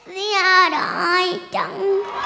เสียดายจัง